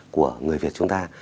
của người việt chúng ta